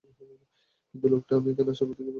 কিন্তু লোকটা আমি এখানে আসার পর থেকেই ফলো করছে।